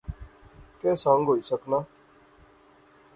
کہہ سنگ ہوئی سکنا